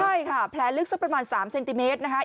ใช่ค่ะแผลลึกสักประมาณ๓เซนติเมตรนะคะ